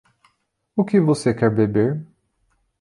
O que você quer beber?